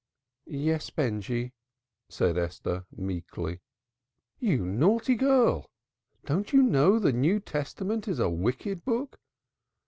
"Yes, Benjy," said Esther meekly. "You naughty girl! Don't you know the New Testament is a wicked book?